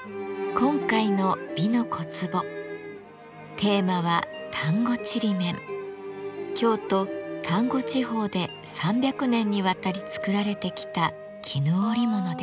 今回の「美の小壺」テーマは京都丹後地方で３００年にわたり作られてきた絹織物です。